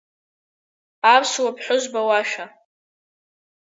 Аԥсуа ԥҳәызба лашәа!